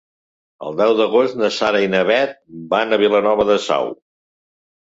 El deu d'agost na Sara i na Bet van a Vilanova de Sau.